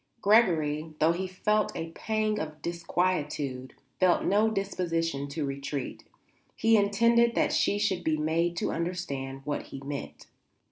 Gregory, though he felt a pang of disquietude, felt no disposition to retreat. He intended that she should be made to understand what he meant.